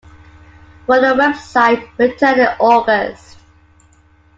But the website returned in August.